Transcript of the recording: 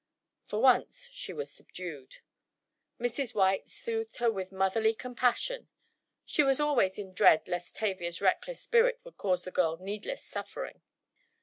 For once she was subdued. Mrs. White soothed her with motherly compassion. She was always in dread lest Tavia's reckless spirit would cause the girl needless suffering.